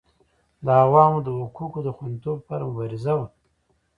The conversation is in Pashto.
د عوامو د حقوقو د خوندیتوب لپاره مبارزه وه.